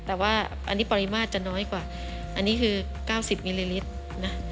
แต่ว่าอันนี้ปริมาตรจะน้อยกว่าอันนี้คือ๙๐มิลลิลิตรนะ